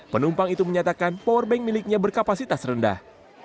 penumpang itu menyatakan powerbank miliknya berkapasitas rendah